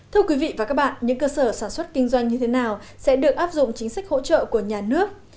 thưa quý vị và các bạn những cơ sở sản xuất kinh doanh như thế nào sẽ được áp dụng chính sách hỗ trợ của nhà nước